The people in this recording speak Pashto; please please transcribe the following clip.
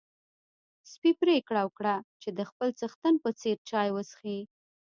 سپی پرېکړه وکړه چې د خپل څښتن په څېر چای وڅښي.